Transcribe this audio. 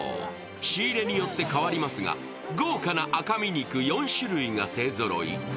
仕入れによって変わりますが、豪華な赤身肉４種類が勢ぞろい。